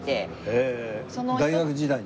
へえ大学時代に？